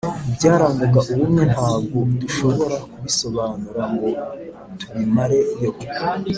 Ibyarangaga ubumwe Ntabwo dushobora kubisobanura ngo tubimare yo